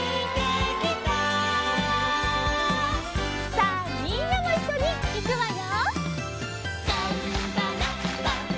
さあみんなもいっしょにいくわよ。